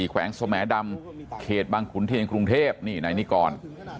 แขวงสแมดำเขตบางฐศีลคุณเทพนี่นายนิกร